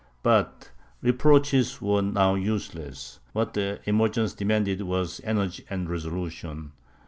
But reproaches were now useless; what the emergency demanded was energy and resolution.